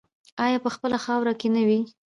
آیا په خپله خاوره کې نه وي؟